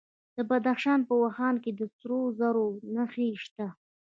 د بدخشان په واخان کې د سرو زرو نښې شته.